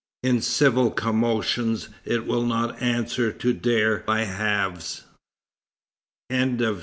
In civil commotions it will not answer to dare by halves." XXIII.